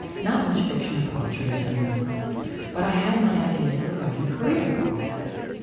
Not much fiction or poetry, as I remember. But I had my ideas of a writing career, for all that.